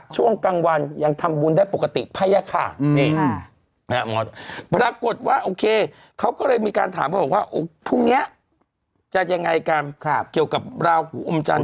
ช่วงกลางวันยังทำบุญได้ปกติพญาขานี่ปรากฏว่าโอเคเขาก็เลยมีการถามเขาบอกว่าพรุ่งนี้จะยังไงกันเกี่ยวกับราหูอมจันท